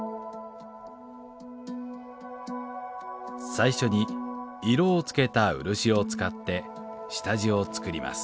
最初に色をつけた漆を使って下地をつくります。